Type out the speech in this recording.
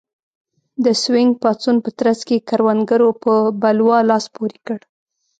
د سوینګ پاڅون په ترڅ کې کروندګرو په بلوا لاس پورې کړ.